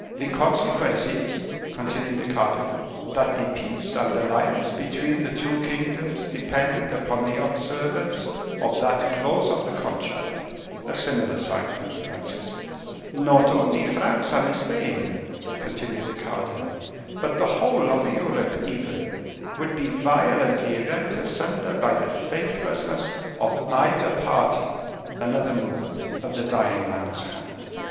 "The consequence is," continued the cardinal, "that the peace and alliance between the two kingdoms depend upon the observance of that clause of the contract." A similar sign from the Franciscan. "Not only France and Spain," continued the cardinal, "but the whole of Europe even, would be violently rent asunder by the faithlessness of either party." Another movement of the dying man's head.